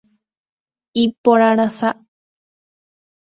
Iporãrasa.